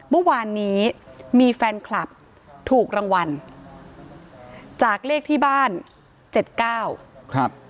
เมื่อวานนี้มีแฟนคลับถูกรางวัลจากเลขที่บ้านเจ็ดเก้าครับ